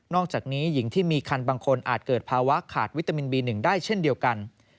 อกจากนี้หญิงที่มีคันบางคนอาจเกิดภาวะขาดวิตามินบี๑ได้เช่นเดียวกัน